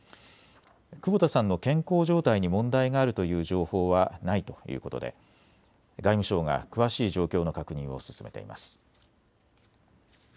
久保田さんの健康状態に問題があるという情報はないということで外務省が詳しい状況の確認を進めています。